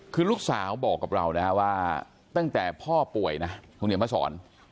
คือลูกสาวบอกกับเรานะฮะว่าตั้งแต่พ่อป่วยนะคุณเหนียวมาสอน